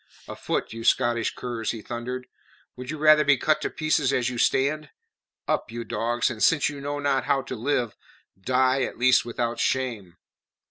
"Afoot, you Scottish curs!" he thundered. "Would you rather be cut to pieces as you stand? Up, you dogs, and since you know not how to live, die at least without shame!"